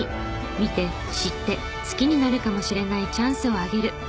見て知って好きになるかもしれないチャンスをあげる。